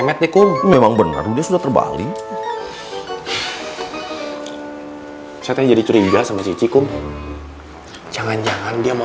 metikum memang benar sudah terbalik setelah jadi curiga sama cici kum jangan jangan dia mau